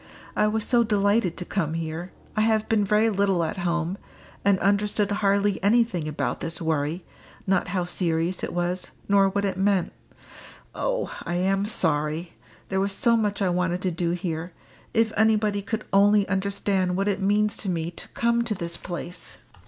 I was so delighted to come here. I have been very little at home, and understood hardly anything about this worry not how serious it was, nor what it meant. Oh! I am sorry there was so much I wanted to do here if anybody could only understand what it means to me to come to this place!"